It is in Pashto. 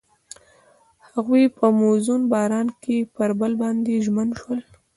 هغوی په موزون باران کې پر بل باندې ژمن شول.